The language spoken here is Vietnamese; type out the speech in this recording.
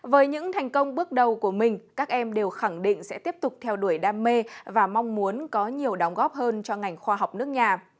với những thành công bước đầu của mình các em đều khẳng định sẽ tiếp tục theo đuổi đam mê và mong muốn có nhiều đóng góp hơn cho ngành khoa học nước nhà